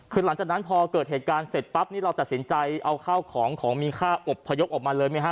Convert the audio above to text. คือหลังจากนั้นพอเกิดเหตุการณ์เสร็จปั๊บนี่เราตัดสินใจเอาข้าวของของมีค่าอบพยพออกมาเลยไหมฮะ